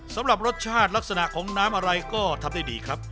สำหรับรสชาติลักษณะของน้ำอะไรก็ทำได้ดีครับ